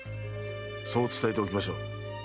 そう伝えておきましょう。